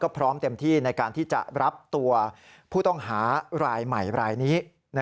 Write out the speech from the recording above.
พร้อมเต็มที่ในการที่จะรับตัวผู้ต้องหารายใหม่รายนี้